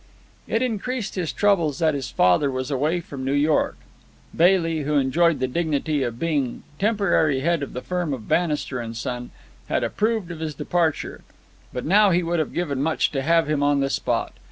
It increased his troubles that his father was away from New York. Bailey, who enjoyed the dignity of being temporary head of the firm of Bannister & Son, had approved of his departure. But now he would have given much to have him on the spot.